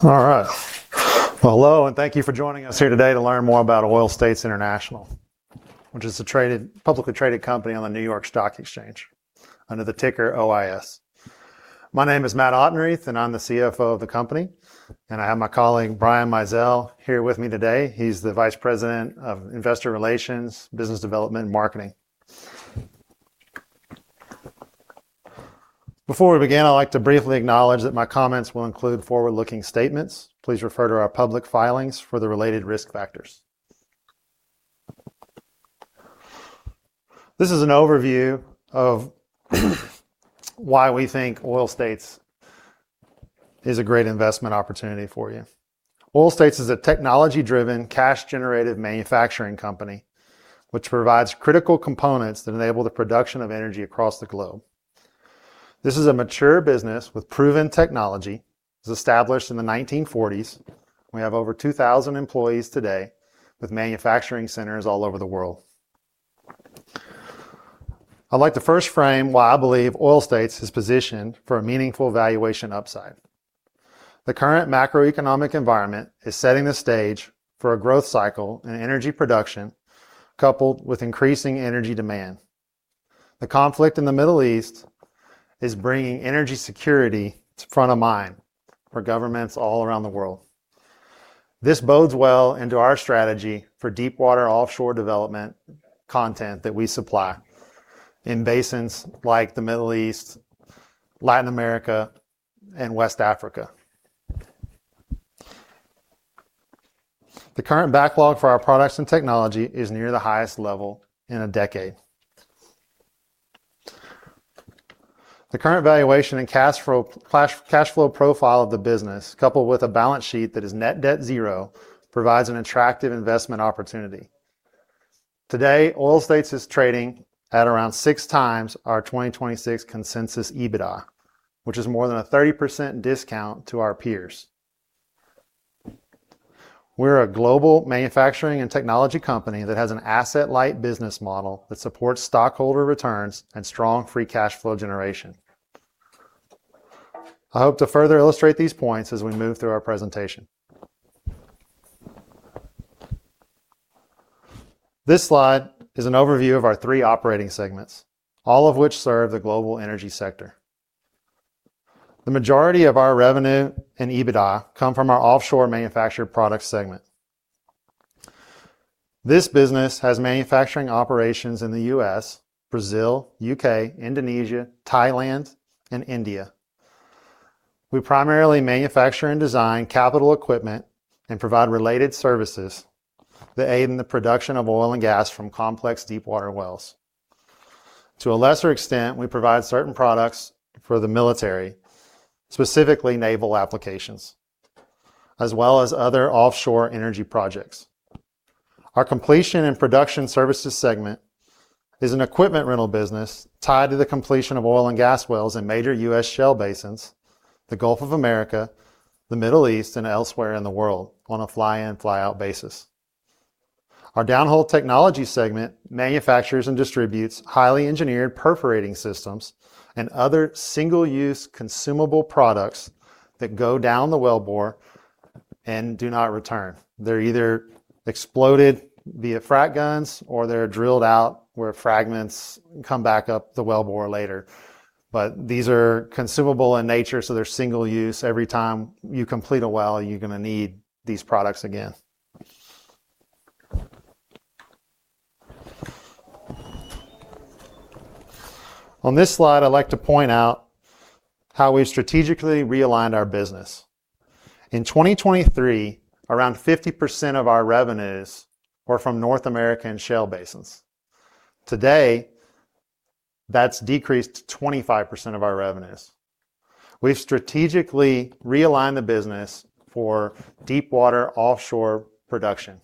All right. Well, hello, and thank you for joining us here today to learn more about Oil States International, which is a publicly traded company on the New York Stock Exchange under the ticker OIS. My name is Matt Autenrieth, and I'm the CFO of the company, and I have my colleague, Brian Mizell, here with me today. He's the Vice President of Investor Relations, Business Development, and Marketing. Before we begin, I'd like to briefly acknowledge that my comments will include forward-looking statements. Please refer to our public filings for the related risk factors. This is an overview of why we think Oil States is a great investment opportunity for you. Oil States is a technology-driven, cash-generative manufacturing company, which provides critical components that enable the production of energy across the globe. This is a mature business with proven technology. It was established in the 1940s. We have over 2,000 employees today, with manufacturing centers all over the world. I'd like to first frame why I believe Oil States is positioned for a meaningful valuation upside. The current macroeconomic environment is setting the stage for a growth cycle in energy production, coupled with increasing energy demand. The conflict in the Middle East is bringing energy security to front of mind for governments all around the world. This bodes well into our strategy for deepwater offshore development content that we supply in basins like the Middle East, Latin America, and West Africa. The current backlog for our products and technology is near the highest level in a decade. The current valuation and cash flow profile of the business, coupled with a balance sheet that is net debt zero, provides an attractive investment opportunity. Today, Oil States is trading at around 6 times our 2026 consensus EBITDA, which is more than a 30% discount to our peers. We're a global manufacturing and technology company that has an asset-light business model that supports stockholder returns and strong free cash flow generation. I hope to further illustrate these points as we move through our presentation. This slide is an overview of our three operating segments, all of which serve the global energy sector. The majority of our revenue and EBITDA come from our Offshore Manufactured Products segment. This business has manufacturing operations in the U.S., Brazil, U.K., Indonesia, Thailand, and India. We primarily manufacture and design capital equipment and provide related services that aid in the production of oil and gas from complex deepwater wells. To a lesser extent, we provide certain products for the military, specifically naval applications, as well as other offshore energy projects. Our Completion and Production Services segment is an equipment rental business tied to the completion of oil and gas wells in major U.S. shale basins, the Gulf of America, the Middle East, and elsewhere in the world on a fly-in/fly-out basis. Our Downhole Technology segment manufactures and distributes highly engineered perforating systems and other single-use consumable products that go down the wellbore and do not return. They're either exploded via frac guns, or they're drilled out where fragments come back up the wellbore later. These are consumable in nature, so they're single-use. Every time you complete a well, you're going to need these products again. On this slide, I'd like to point out how we've strategically realigned our business. In 2023, around 50% of our revenues were from North American shale basins. Today, that's decreased to 25% of our revenues. We've strategically realigned the business for deepwater offshore production.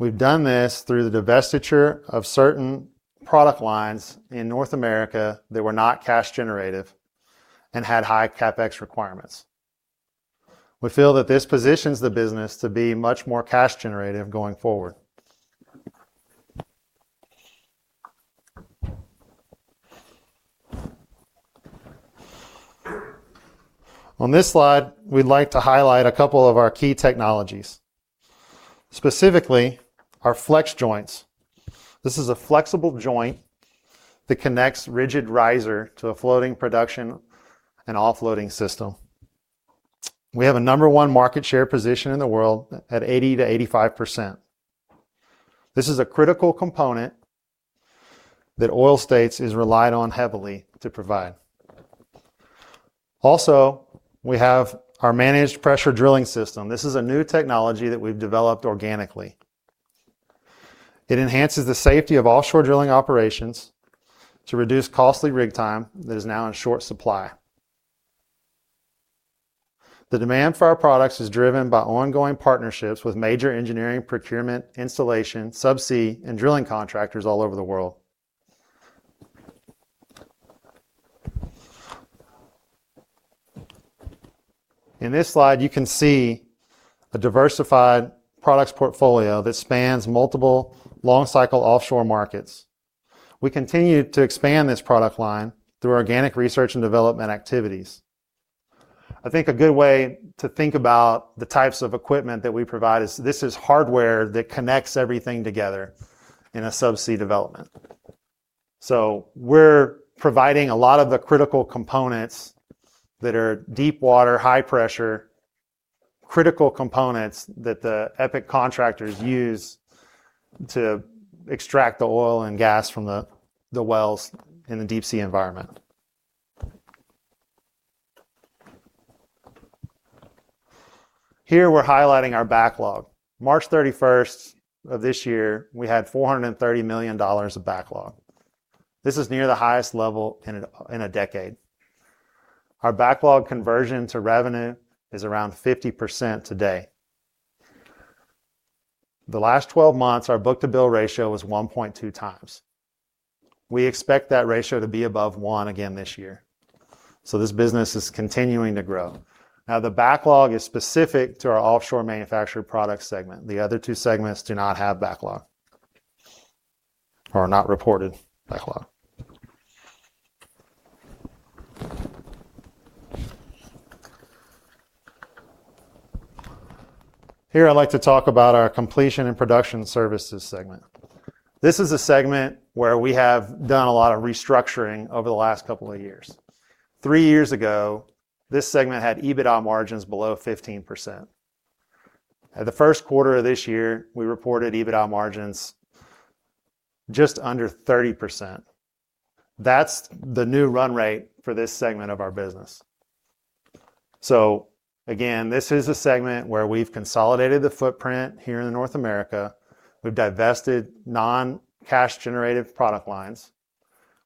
We've done this through the divestiture of certain product lines in North America that were not cash generative and had high CapEx requirements. We feel that this positions the business to be much more cash generative going forward. On this slide, we'd like to highlight a couple of our key technologies, specifically our FlexJoints. This is a flexible joint that connects rigid riser to a floating production and offloading system. We have a number 1 market share position in the world at 80%-85%. This is a critical component that Oil States is relied on heavily to provide. Also, we have our Managed Pressure Drilling system. This is a new technology that we've developed organically. It enhances the safety of offshore drilling operations to reduce costly rig time that is now in short supply. The demand for our products is driven by ongoing partnerships with major engineering, procurement, installation, subsea, and drilling contractors all over the world. In this slide, you can see a diversified products portfolio that spans multiple long-cycle offshore markets. We continue to expand this product line through organic research and development activities. I think a good way to think about the types of equipment that we provide is this is hardware that connects everything together in a subsea development. We're providing a lot of the critical components that are deep water, high pressure, critical components that the EPCI contractors use to extract the oil and gas from the wells in the deep sea environment. Here we're highlighting our backlog. March 31st of this year, we had $430 million of backlog. This is near the highest level in a decade. Our backlog conversion to revenue is around 50% today. The last 12 months, our book-to-bill ratio was 1.2 times. We expect that ratio to be above one again this year. This business is continuing to grow. The backlog is specific to our Offshore Manufactured Products segment. The other two segments do not have backlog or not reported backlog. Here, I'd like to talk about our Completion and Production Services segment. This is a segment where we have done a lot of restructuring over the last couple of years. Three years ago, this segment had EBITDA margins below 15%. At the first quarter of this year, we reported EBITDA margins just under 30%. That's the new run rate for this segment of our business. Again, this is a segment where we've consolidated the footprint here in North America. We've divested non-cash generative product lines.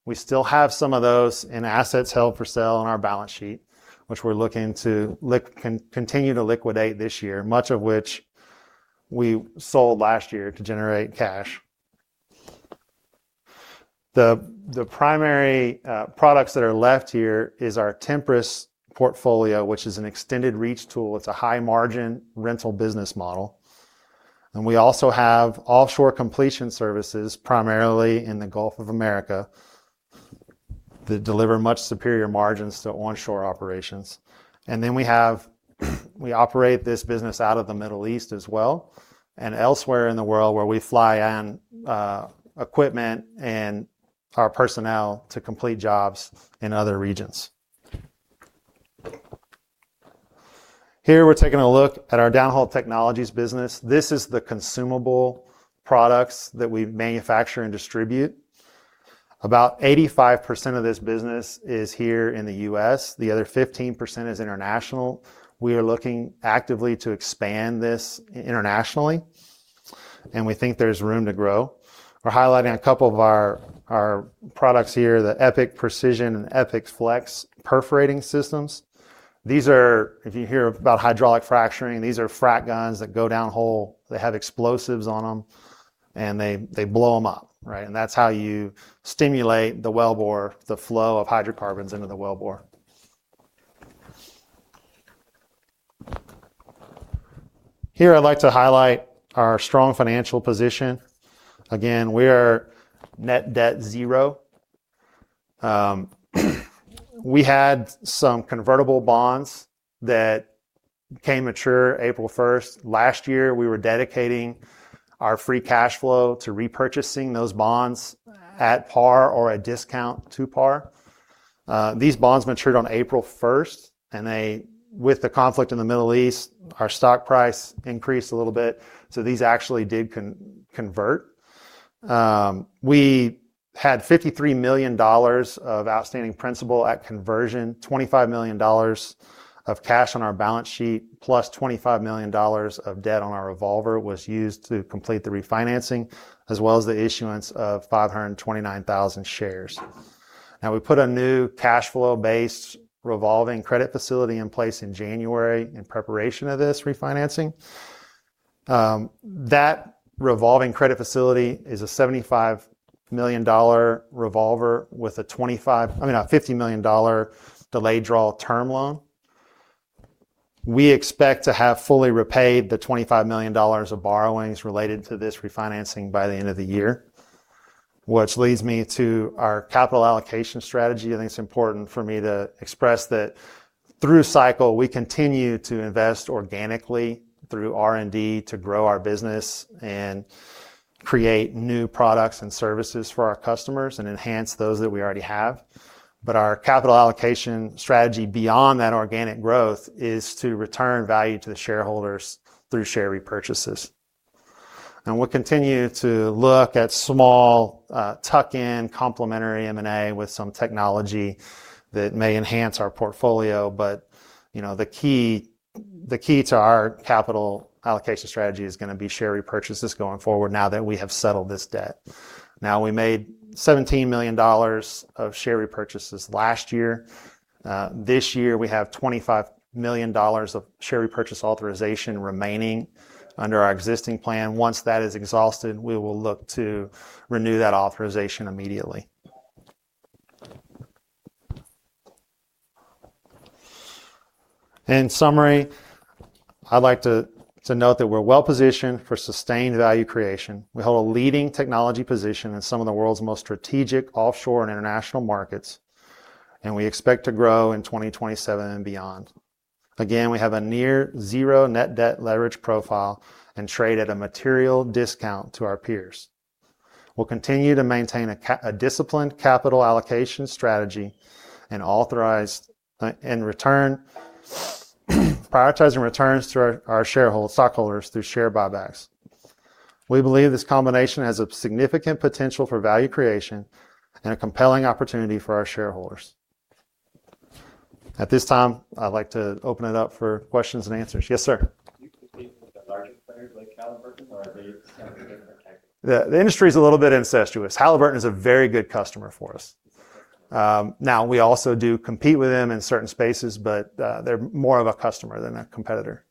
We still have some of those in assets held for sale on our balance sheet, which we're looking to continue to liquidate this year, much of which we sold last year to generate cash. The primary products that are left here is our Tempress portfolio, which is an extended reach tool. It's a high margin rental business model, and we also have offshore completion services primarily in the Gulf of Mexico, that deliver much superior margins to onshore operations. We operate this business out of the Middle East as well and elsewhere in the world where we fly in equipment and our personnel to complete jobs in other regions. Here we're taking a look at our Downhole Technologies business. This is the consumable products that we manufacture and distribute. About 85% of this business is here in the U.S., the other 15% is international. We are looking actively to expand this internationally and we think there's room to grow. We're highlighting a couple of our products here, the EPIC Precision and EPIC Flex perforating systems. If you hear about hydraulic fracturing, these are frac guns that go downhole. They have explosives on them, and they blow them up. Right? That's how you stimulate the wellbore, the flow of hydrocarbons into the wellbore. Here, I'd like to highlight our strong financial position. Again, we are net debt zero. We had some convertible bonds that became mature April 1st. Last year, we were dedicating our free cash flow to repurchasing those bonds at par or a discount to par. These bonds matured on April 1st, with the conflict in the Middle East, our stock price increased a little bit, so these actually did convert. We had $53 million of outstanding principal at conversion, $25 million of cash on our balance sheet, plus $25 million of debt on our revolver was used to complete the refinancing as well as the issuance of 529,000 shares. Now we put a new cash flow-based revolving credit facility in place in January in preparation of this refinancing. That revolving credit facility is a $75 million revolver with a $50 million delayed draw term loan. We expect to have fully repaid the $25 million of borrowings related to this refinancing by the end of the year. Which leads me to our capital allocation strategy. I think it's important for me to express that through cycle, we continue to invest organically through R&D to grow our business and create new products and services for our customers and enhance those that we already have. Our capital allocation strategy beyond that organic growth is to return value to the shareholders through share repurchases. We'll continue to look at small tuck-in complementary M&A with some technology that may enhance our portfolio. The key to our capital allocation strategy is going to be share repurchases going forward now that we have settled this debt. Now, we made $17 million of share repurchases last year. This year, we have $25 million of share repurchase authorization remaining under our existing plan. Once that is exhausted, we will look to renew that authorization immediately. In summary, I'd like to note that we're well-positioned for sustained value creation. We hold a leading technology position in some of the world's most strategic offshore and international markets, we expect to grow in 2027 and beyond. Again, we have a near zero net debt leverage profile and trade at a material discount to our peers. We'll continue to maintain a disciplined capital allocation strategy, prioritizing returns to our stockholders through share buybacks. We believe this combination has a significant potential for value creation and a compelling opportunity for our shareholders. At this time, I'd like to open it up for questions and answers. Yes, sir. Do you compete with the larger players like Halliburton, or are they kind of a different type? The industry is a little bit incestuous. Halliburton is a very good customer for us. We also do compete with them in certain spaces, but they're more of a customer than a competitor.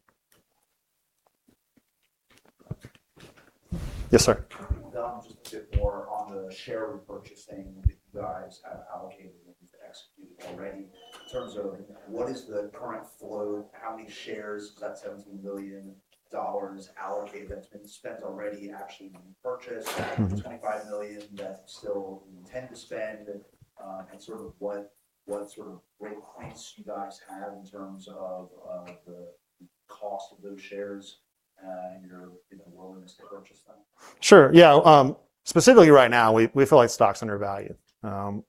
Yes, sir. Can you delve just a bit more on the share repurchase thing that you guys have allocated and executed already in terms of what is the current flow, how many shares of that $17 million allocated that's been spent already actually purchased, the $25 million that still you intend to spend, and what sort of break points you guys have in terms of the cost of those shares and your willingness to purchase them? Sure. Yeah. Specifically right now, we feel like stock's undervalued.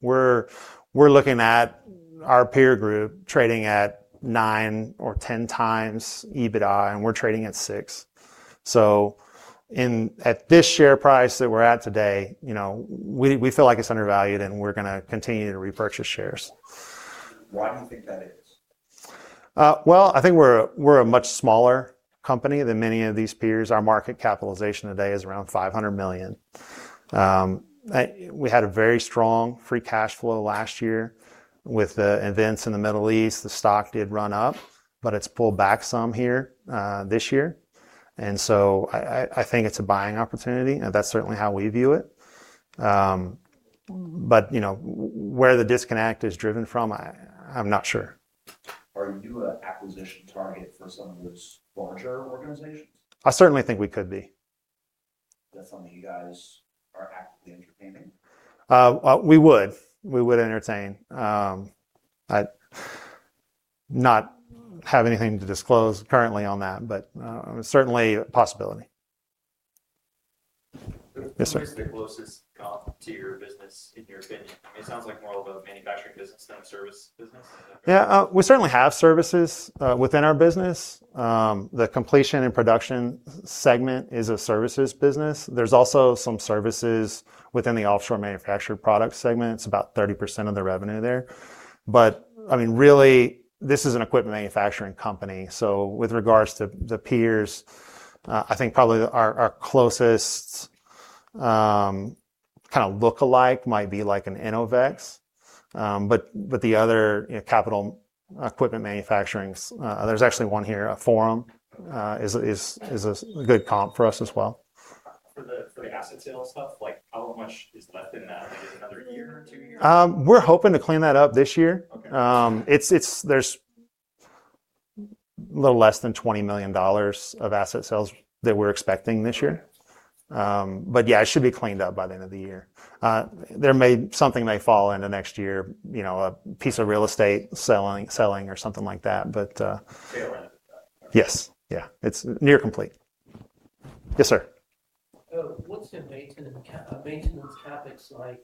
We're looking at our peer group trading at nine or 10 times EBITDA, and we're trading at six. At this share price that we're at today, we feel like it's undervalued and we're going to continue to repurchase shares. Why do you think that is? Well, I think we're a much smaller company than many of these peers. Our market capitalization today is around $500 million. We had a very strong free cash flow last year with the events in the Middle East. The stock did run up, but it's pulled back some here this year. I think it's a buying opportunity. That's certainly how we view it. Where the disconnect is driven from, I'm not sure. Are you an acquisition target for some of those larger organizations? I certainly think we could be. That's something you guys are actively entertaining? We would entertain. I do not have anything to disclose currently on that, but certainly a possibility. Yes, sir. Who is the closest comp to your business in your opinion? It sounds like more of a manufacturing business than a service business. Is that fair? Yeah. We certainly have services within our business. The Completion and Production segment is a services business. There's also some services within the Offshore Manufactured Product segment. It's about 30% of the revenue there. Really, this is an equipment manufacturing company. With regards to the peers, I think probably our closest kind of lookalike might be like an Innovex. The other capital equipment manufacturing. There's actually one here, Forum, is a good comp for us as well. For the asset sales stuff, how much is left in that? Is it another year or two years? We're hoping to clean that up this year. Okay. There's a little less than $20 million of asset sales that we're expecting this year. Okay. Yeah, it should be cleaned up by the end of the year. Something may fall into next year, a piece of real estate selling or something like that. Fair amount of it done. Yes. Yeah. It's near complete. Yes, sir. What's your maintenance CapEx like,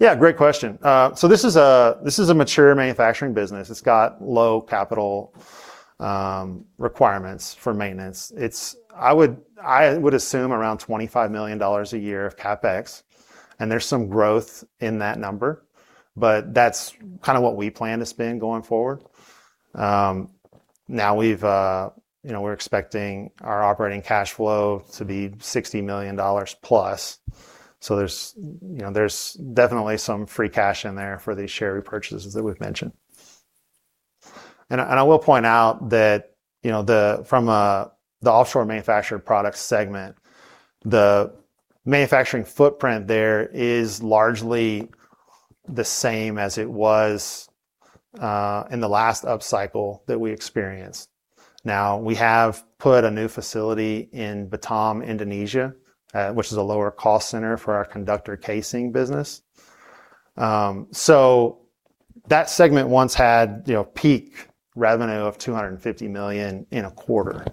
average? Great question. This is a mature manufacturing business. It's got low capital requirements for maintenance. I would assume around $25 million a year of CapEx. There's some growth in that number, but that's kind of what we plan to spend going forward. We're expecting our operating cash flow to be $60 million plus. There's definitely some free cash in there for these share repurchases that we've mentioned. I will point out that from the Offshore Manufactured Products segment, the manufacturing footprint there is largely the same as it was in the last upcycle that we experienced. We have put a new facility in Batam, Indonesia, which is a lower cost center for our conductor casing business. That segment once had peak revenue of $250 million in a quarter,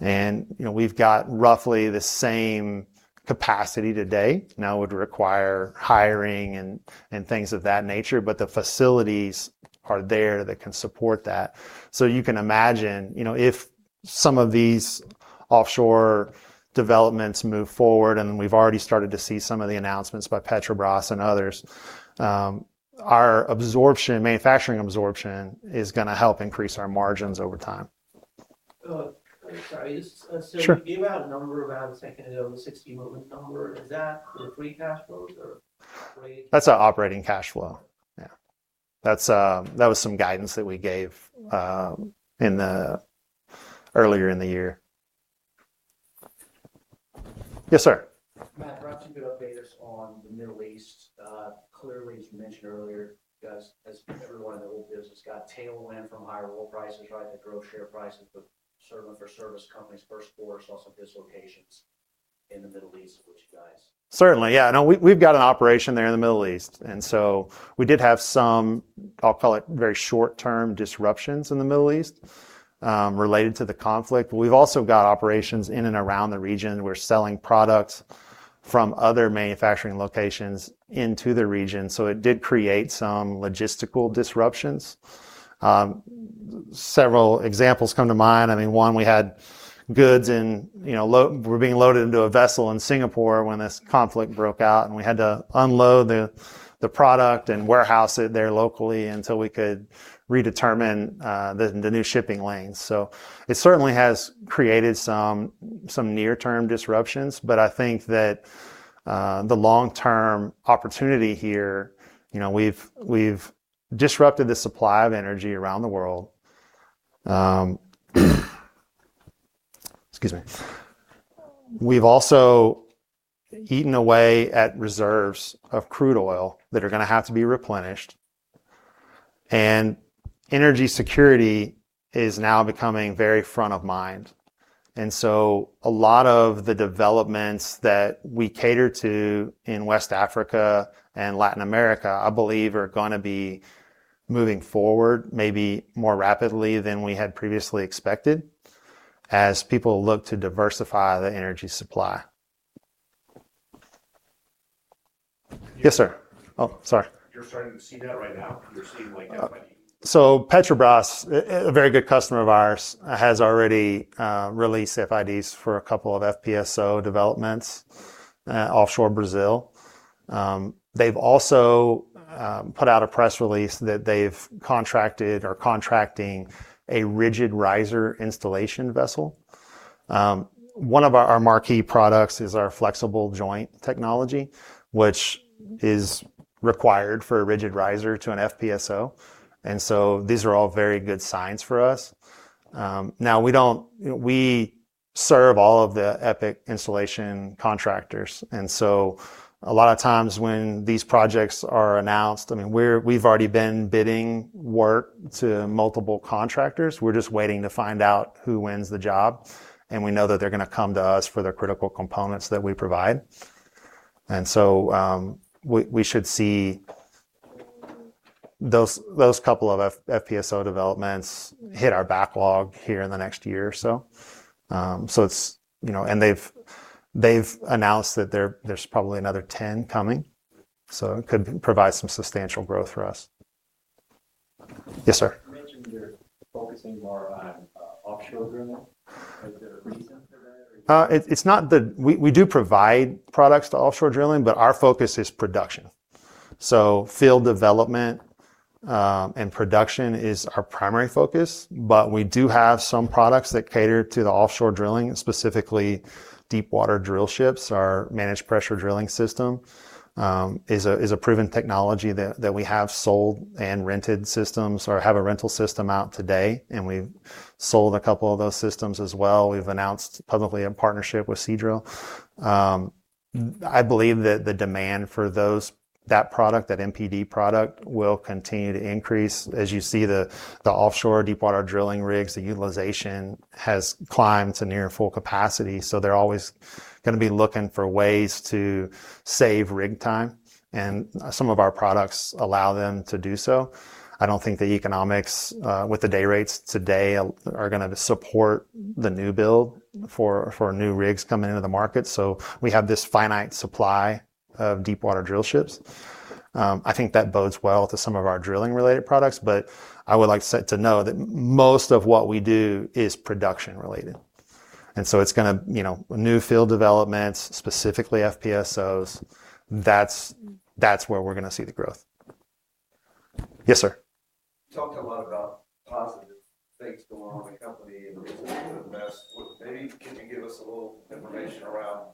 and we've got roughly the same capacity today. It would require hiring and things of that nature, but the facilities are there that can support that. You can imagine, if some of these offshore developments move forward, and we've already started to see some of the announcements by Petrobras and others, our absorption, manufacturing absorption, is going to help increase our margins over time. Sorry. Sure. You gave out a number about a second ago, the $60 million number. Is that the free cash flows or? That's our operating cash flow. Yeah. That was some guidance that we gave earlier in the year. Yes, sir. Matt, perhaps you could update us on the Middle East. Clearly, as you mentioned earlier, as everyone in the oil business got tailwind from higher oil prices, the gross share prices of certain of their service companies first saw some dislocations in the Middle East. Certainly. We've got an operation there in the Middle East. We did have some, I'll call it, very short-term disruptions in the Middle East related to the conflict. We've also got operations in and around the region. We're selling products from other manufacturing locations into the region. It did create some logistical disruptions. Several examples come to mind. One, we had goods, and we're being loaded into a vessel in Singapore when this conflict broke out, and we had to unload the product and warehouse it there locally until we could redetermine the new shipping lanes. It certainly has created some near-term disruptions, but I think that the long-term opportunity here, we've disrupted the supply of energy around the world. Excuse me. We've also eaten away at reserves of crude oil that are going to have to be replenished. Energy security is now becoming very front of mind. A lot of the developments that we cater to in West Africa and Latin America, I believe are going to be moving forward maybe more rapidly than we had previously expected as people look to diversify the energy supply. Yes, sir. Oh, sorry. You're starting to see that right now? You're seeing like FID. Petrobras, a very good customer of ours, has already released FIDs for a couple of FPSO developments offshore Brazil. They've also put out a press release that they've contracted or are contracting a rigid riser installation vessel. One of our marquee products is our FlexJoint technology, which is required for a rigid riser to an FPSO. These are all very good signs for us. We serve all of the EPCI installation contractors, a lot of times when these projects are announced, we've already been bidding work to multiple contractors. We're just waiting to find out who wins the job. We know that they're going to come to us for their critical components that we provide. We should see those couple of FPSO developments hit our backlog here in the next year or so. They've announced that there's probably another 10 coming, so it could provide some substantial growth for us. Yes, sir. You mentioned you're focusing more on offshore drilling. Is there a reason for that? We do provide products to offshore drilling, but our focus is production. Field development and production is our primary focus, but we do have some products that cater to the offshore drilling, specifically deep water drill ships. Our Managed Pressure Drilling system is a proven technology that we have sold and rented systems or have a rental system out today, and we've sold a couple of those systems as well. We've announced publicly a partnership with Seadrill. I believe that the demand for that product, that MPD product, will continue to increase. As you see the offshore deepwater drilling rigs, the utilization has climbed to near full capacity, so they're always going to be looking for ways to save rig time, and some of our products allow them to do so. I don't think the economics with the day rates today are going to support the new build for new rigs coming into the market. We have this finite supply of deepwater drill ships. I think that bodes well to some of our drilling-related products, but I would like to note that most of what we do is production related, and so it's going to new field developments, specifically FPSOs, that's where we're going to see the growth. Yes, sir. You talked a lot about positive things going on in the company. Maybe can you give us a little information around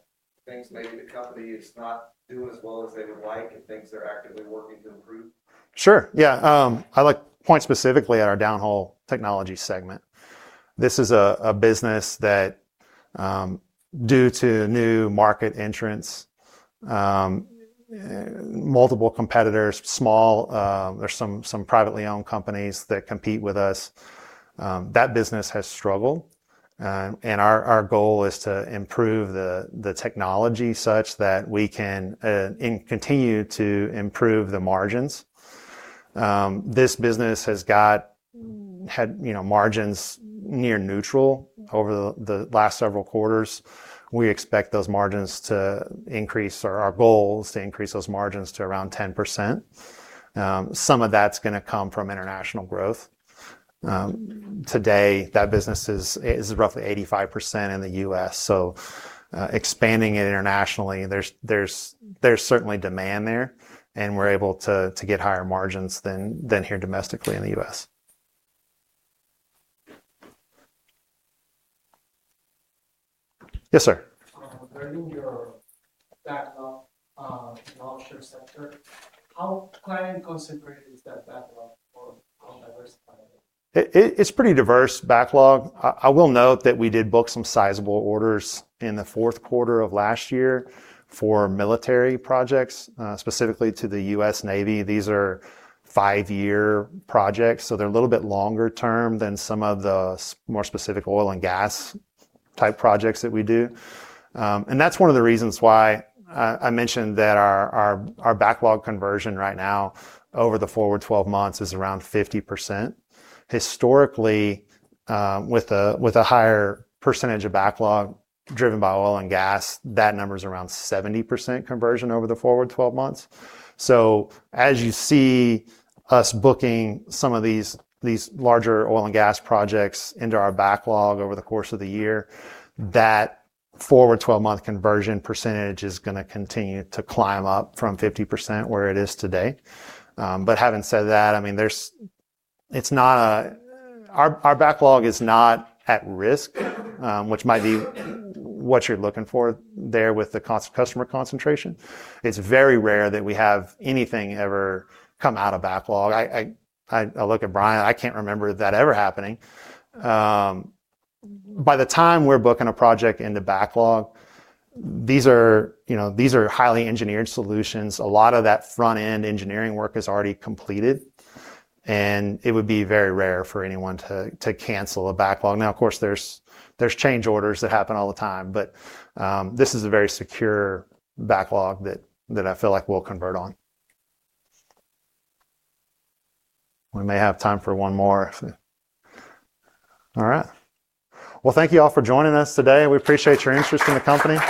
things maybe the company is not doing as well as they would like and things they're actively working to improve? Sure, yeah. I'd like to point specifically at our Downhole Technologies segment. This is a business that, due to new market entrants, multiple competitors, small or some privately owned companies that compete with us, that business has struggled. Our goal is to improve the technology such that we can continue to improve the margins. This business has had margins near neutral over the last several quarters. We expect those margins to increase, or our goal is to increase those margins to around 10%. Some of that's going to come from international growth. Today, that business is roughly 85% in the U.S. Expanding it internationally, there's certainly demand there, and we're able to get higher margins than here domestically in the U.S. Yes, sir. Regarding your backlog, offshore sector, how client-concentrated is that backlog for diversifying? It's pretty diverse backlog. I will note that we did book some sizable orders in the fourth quarter of last year for military projects, specifically to the US Navy. These are five-year projects, so they're a little bit longer term than some of the more specific oil and gas type projects that we do. That's one of the reasons why I mentioned that our backlog conversion right now over the forward 12 months is around 50%. Historically, with a higher percentage of backlog driven by oil and gas, that number is around 70% conversion over the forward 12 months. As you see us booking some of these larger oil and gas projects into our backlog over the course of the year, that forward 12-month conversion percentage is going to continue to climb up from 50%, where it is today. Having said that, our backlog is not at risk, which might be what you're looking for there with the customer concentration. It's very rare that we have anything ever come out of backlog. I look at Brian, I can't remember that ever happening. By the time we're booking a project into backlog, these are highly engineered solutions. A lot of that front-end engineering work is already completed, and it would be very rare for anyone to cancel a backlog. Of course, there's change orders that happen all the time, but this is a very secure backlog that I feel like we'll convert on. We may have time for one more. All right. Well, thank you all for joining us today. We appreciate your interest in the company.